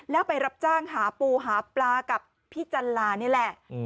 แล้วไปรับจ้างหาปูหาปลากับพี่จันลานี่แหละ